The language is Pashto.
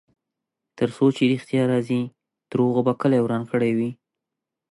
ترڅو چې ریښتیا راځي، دروغو به کلی وران کړی وي.